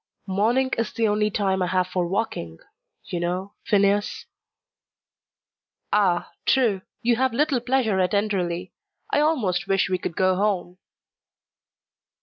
"Morning is the only time I have for walking, you know, Phineas." "Ah, true! You have little pleasure at Enderley. I almost wish we could go home."